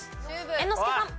猿之助さん。